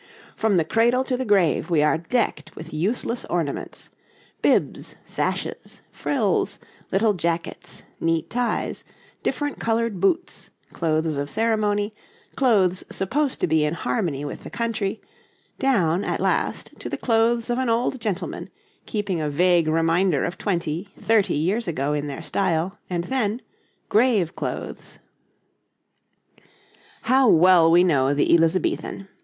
From the cradle to the grave we are decked with useless ornaments bibs, sashes, frills, little jackets, neat ties, different coloured boots, clothes of ceremony, clothes supposed to be in harmony with the country, down, at last, to the clothes of an old gentleman, keeping a vague reminder of twenty, thirty years ago in their style, and then grave clothes. How well we know the Elizabethan!